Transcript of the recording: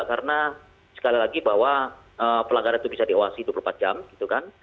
karena sekali lagi bahwa pelanggaran itu bisa diawasi dua puluh empat jam gitu kan